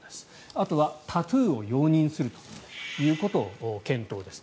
あとはタトゥーを容認するということを検討です。